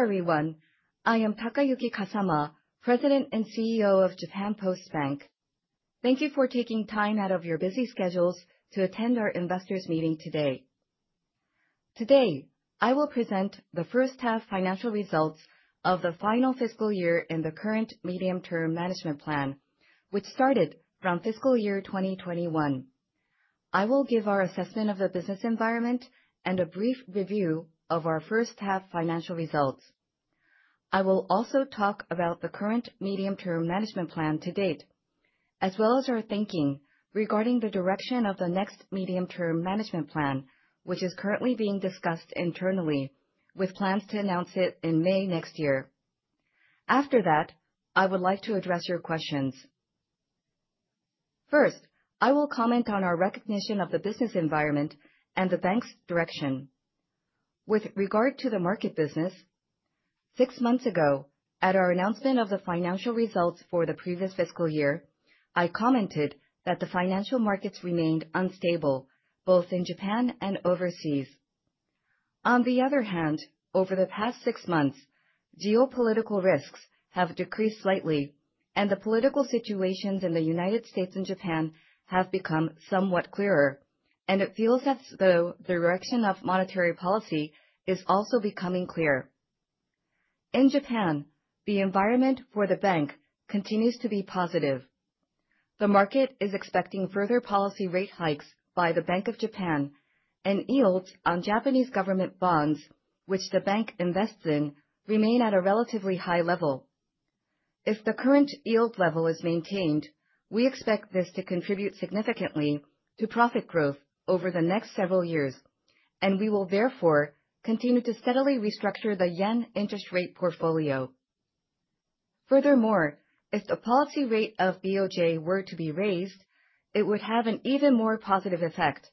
Hello, everyone. I am Takayuki Kasama, President and CEO of Japan Post Bank. Thank you for taking time out of your busy schedules to attend our investors meeting today. Today, I will present the H1 financial results of the final FY in the current medium-term management plan, which started from FY 2021. I will give our assessment of the business environment and a brief review of our H1 financial results. I will also talk about the current medium-term management plan to date, as well as our thinking regarding the direction of the next medium-term management plan, which is currently being discussed internally with plans to announce it in May next year. After that, I would like to address your questions. First, I will comment on our recognition of the business environment and the bank's direction. With regard to the market business, 6 months ago, at our announcement of the financial results for the previous FY, I commented that the financial markets remained unstable both in Japan and overseas. On the other hand, over the past 6 months, geopolitical risks have decreased slightly, and the political situations in the United States and Japan have become somewhat clearer, and it feels as though the direction of monetary policy is also becoming clear. In Japan, the environment for the bank continues to be positive. The market is expecting further policy rate hikes by the Bank of Japan, and yields on Japanese Government Bonds, which the bank invests in, remain at a relatively high level. If the current yield level is maintained, we expect this to contribute significantly to profit growth over the next several years, and we will therefore continue to steadily restructure the yen interest rate portfolio. Furthermore, if the policy rate of BOJ were to be raised, it would have an even more positive effect,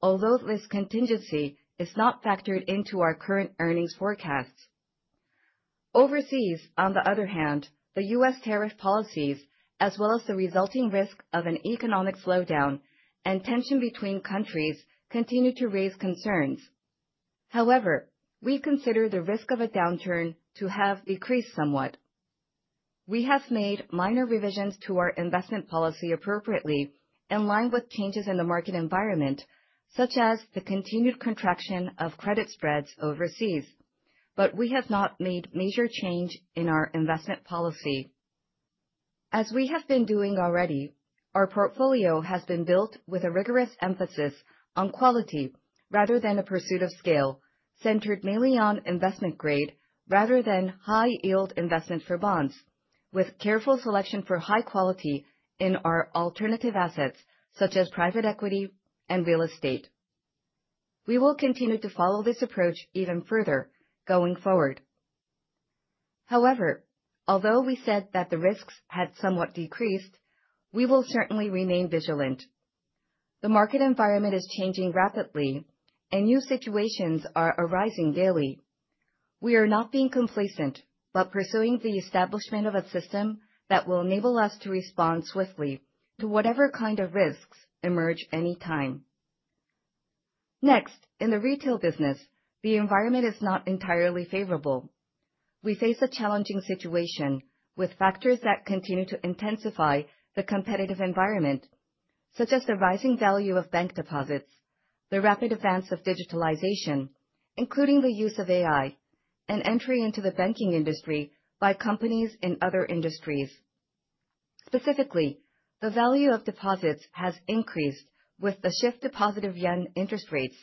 although this contingency is not factored into our current earnings forecasts. Overseas, on the other hand, the U.S. tariff policies, as well as the resulting risk of an economic slowdown and tension between countries continue to raise concerns. However, we consider the risk of a downturn to have decreased somewhat. We have made minor revisions to our investment policy appropriately in line with changes in the market environment, such as the continued contraction of credit spreads overseas, but we have not made major change in our investment policy. As we have been doing already, our portfolio has been built with a rigorous emphasis on quality rather than a pursuit of scale, centered mainly on investment grade rather than high-yield investment for bonds, with careful selection for high quality in our alternative assets such as private equity and real estate. We will continue to follow this approach even further going forward. However, although we said that the risks had somewhat decreased, we will certainly remain vigilant. The market environment is changing rapidly and new situations are arising daily. We are not being complacent, but pursuing the establishment of a system that will enable us to respond swiftly to whatever kind of risks emerge any time. Next, in the retail business, the environment is not entirely favorable. We face a challenging situation with factors that continue to intensify the competitive environment, such as the rising value of bank deposits, the rapid advance of digitalization, including the use of AI, and entry into the banking industry by companies in other industries. Specifically, the value of deposits has increased with the shift to positive yen interest rates,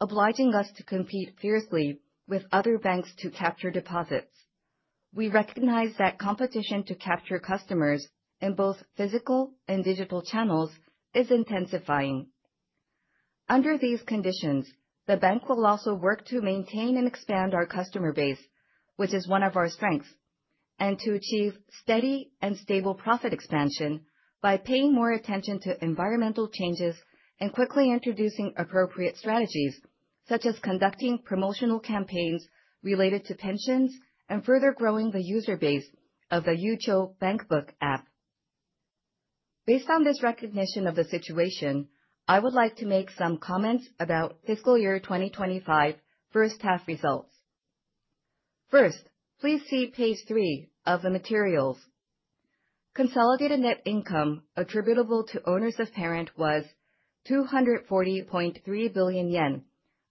obliging us to compete fiercely with other banks to capture deposits. We recognize that competition to capture customers in both physical and digital channels is intensifying. Under these conditions, the bank will also work to maintain and expand our customer base, which is one of our strengths, and to achieve steady and stable profit expansion by paying more attention to environmental changes and quickly introducing appropriate strategies, such as conducting promotional campaigns related to pensions and further growing the user base of the Yucho Bankbook App. Based on this recognition of the situation, I would like to make some comments about FY 2025 H1 results. First, please see page 3 of the materials. Consolidated net income attributable to owners of parent was ¥240.3 billion,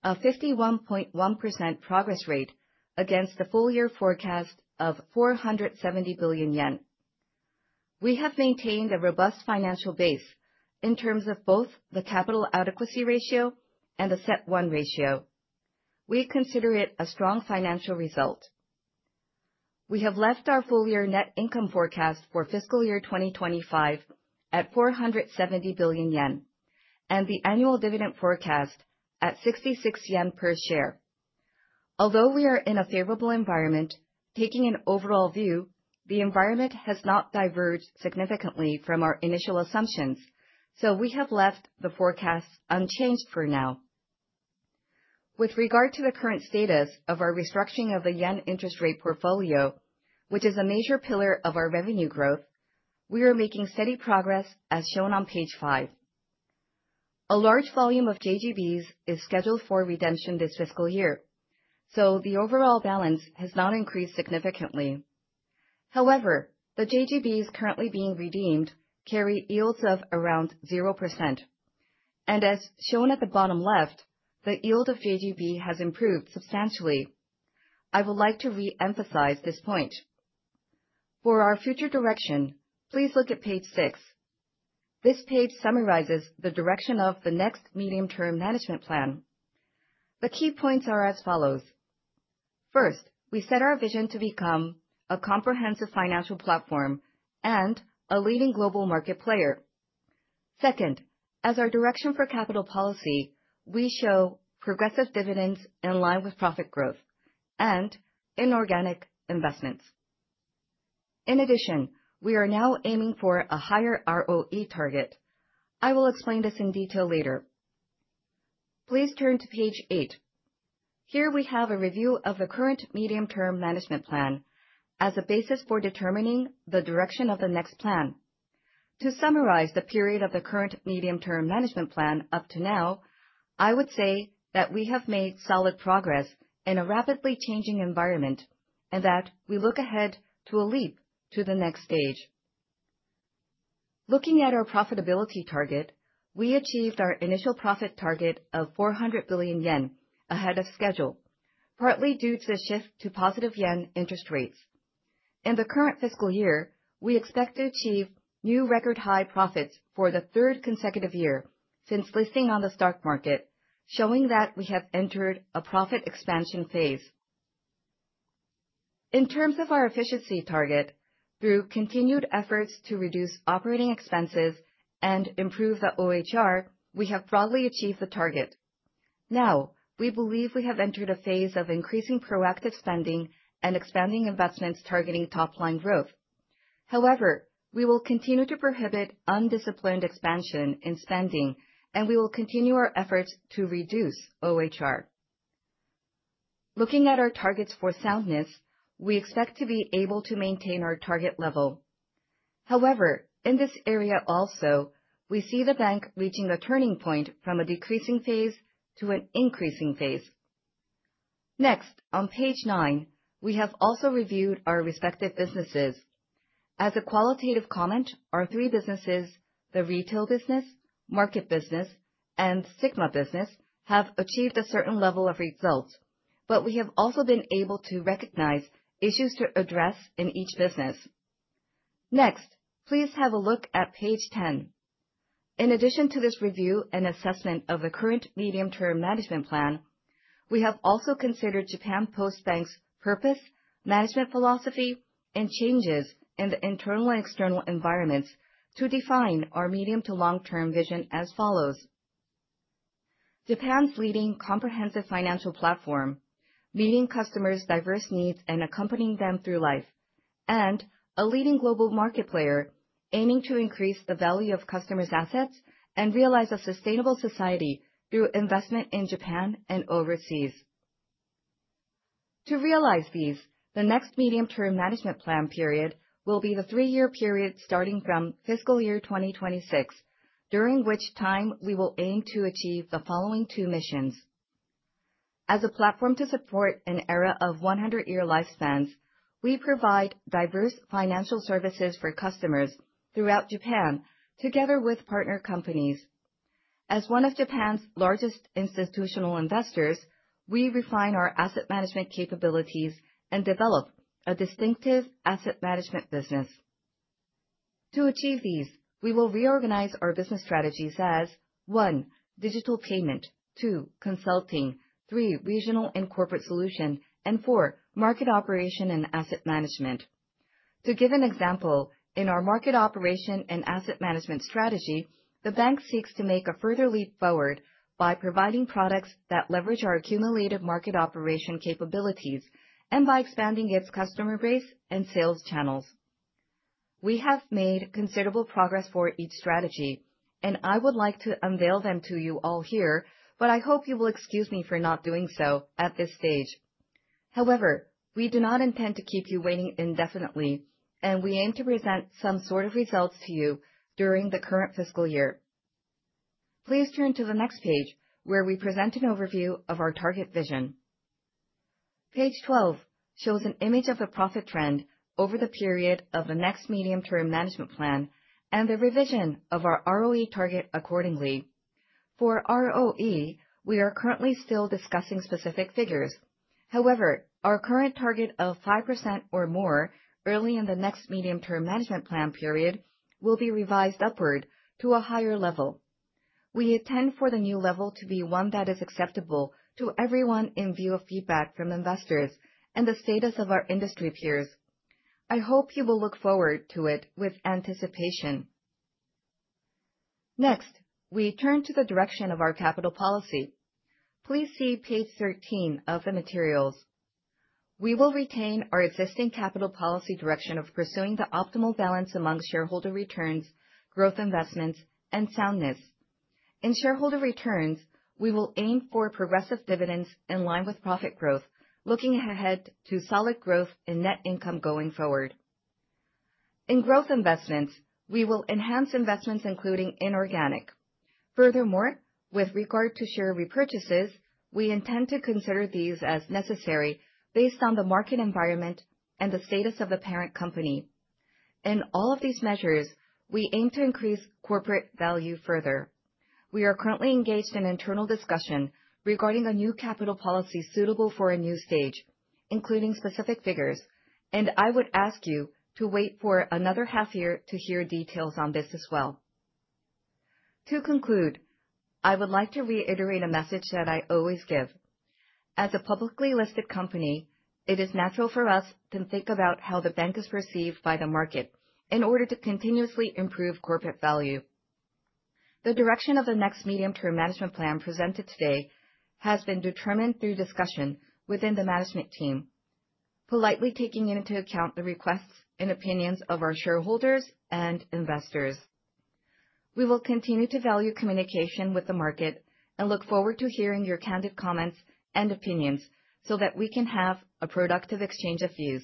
a 51.1% progress rate against the full year forecast of ¥470 billion. We have maintained a robust financial base in terms of both the capital adequacy ratio and the CET1 ratio. We consider it a strong financial result. We have left our full year net income forecast for FY 2025 at ¥470 billion, and the annual dividend forecast at ¥66 per share. Although we are in a favorable environment, taking an overall view, the environment has not diverged significantly from our initial assumptions, so we have left the forecast unchanged for now. With regard to the current status of our restructuring of the yen interest rate portfolio, which is a major pillar of our revenue growth, we are making steady progress as shown on page 5. A large volume of JGBs is scheduled for redemption this FY, so the overall balance has not increased significantly. However, the JGBs currently being redeemed carry yields of around 0%, and as shown at the bottom left, the yield of JGB has improved substantially. I would like to re-emphasize this point. For our future direction, please look at page 6. This page summarizes the direction of the next medium-term management plan. The key points are as follows. First, we set our vision to become a comprehensive financial platform and a leading global market player. Second, as our direction for capital policy, we show progressive dividends in line with profit growth and inorganic investments. In addition, we are now aiming for a higher ROE target. I will explain this in detail later. Please turn to page 8. Here we have a review of the current medium-term management plan as a basis for determining the direction of the next plan. To summarize the period of the current medium-term management plan up to now, I would say that we have made solid progress in a rapidly changing environment, and that we look ahead to a leap to the next stage. Looking at our profitability target, we achieved our initial profit target of ¥400 billion ahead of schedule, partly due to the shift to positive yen interest rates. In the current FY, we expect to achieve new record high profits for the third consecutive year since listing on the stock market, showing that we have entered a profit expansion phase. In terms of our efficiency target, through continued efforts to reduce operating expenses and improve the OHR, we have broadly achieved the target. Now, we believe we have entered a phase of increasing proactive spending and expanding investments targeting top-line growth. However, we will continue to prohibit undisciplined expansion in spending, and we will continue our efforts to reduce OHR. Looking at our targets for soundness, we expect to be able to maintain our target level. However, in this area also, we see the bank reaching a turning point from a decreasing phase to an increasing phase. Next, on page 9, we have also reviewed our respective businesses. As a qualitative comment, our 3 businesses, the retail business, market business, and Σ Business, have achieved a certain level of results, but we have also been able to recognize issues to address in each business. Next, please have a look at page 10. In addition to this review and assessment of the current medium-term management plan, we have also considered Japan Post Bank's purpose, management philosophy, and changes in the internal and external environments to define our medium-to-long-term vision as follows. Japan's leading comprehensive financial platform, meeting customers' diverse needs and accompanying them through life. A leading global market player aiming to increase the value of customers' assets and realize a sustainable society through investment in Japan and overseas. To realize these, the next medium-term management plan period will be the 3-year period starting from FY 2026, during which time we will aim to achieve the following 2 missions. As a platform to support an era of 100-year lifespans, we provide diverse financial services for customers throughout Japan together with partner companies. As one of Japan's largest institutional investors, we refine our asset management capabilities and develop a distinctive asset management business. To achieve these, we will reorganize our business strategies as one, digital payment, two, consulting, three, regional and corporate solution, and four, market operation and asset management. To give an example, in our market operation and asset management strategy, the bank seeks to make a further leap forward by providing products that leverage our accumulated market operation capabilities and by expanding its customer base and sales channels. We have made considerable progress for each strategy, and I would like to unveil them to you all here, but I hope you will excuse me for not doing so at this stage. However, we do not intend to keep you waiting indefinitely, and we aim to present some sort of results to you during the current FY. Please turn to the next page, where we present an overview of our target vision. Page 12 shows an image of the profit trend over the period of the next medium-term management plan and the revision of our ROE target accordingly. For ROE, we are currently still discussing specific figures. However, our current target of 5% or more early in the next medium-term management plan period will be revised upward to a higher level. We intend for the new level to be one that is acceptable to everyone in view of feedback from investors and the status of our industry peers. I hope you will look forward to it with anticipation. Next, we turn to the direction of our capital policy. Please see page 13 of the materials. We will retain our existing capital policy direction of pursuing the optimal balance among shareholder returns, growth investments, and soundness. In shareholder returns, we will aim for progressive dividends in line with profit growth, looking ahead to solid growth in net income going forward. In growth investments, we will enhance investments, including inorganic. Furthermore, with regard to share repurchases, we intend to consider these as necessary based on the market environment and the status of the parent company. In all of these measures, we aim to increase corporate value further. We are currently engaged in internal discussion regarding a new capital policy suitable for a new stage, including specific figures, and I would ask you to wait for another half year to hear details on this as well. To conclude, I would like to reiterate a message that I always give. As a publicly listed company, it is natural for us to think about how the bank is perceived by the market in order to continuously improve corporate value. The direction of the next medium-term management plan presented today has been determined through discussion within the management team, politely taking into account the requests and opinions of our shareholders and investors. We will continue to value communication with the market and look forward to hearing your candid comments and opinions so that we can have a productive exchange of views.